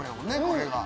これが。